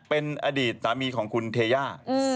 เป็นอดีตสามีของคุณเทย่า